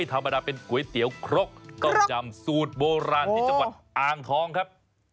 ธรรมดาเป็นก๋วยเตี๋ยวครกเต้ายำสูตรโบราณที่จังหวัดอ่างทองครับ